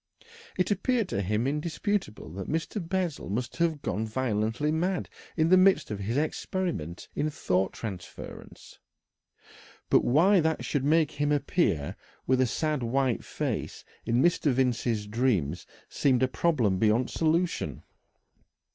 It appeared to him indisputable that Mr. Bessel must have gone violently mad in the midst of his experiment in thought transference, but why that should make him appear with a sad white face in Mr. Vincey's dreams seemed a problem beyond solution.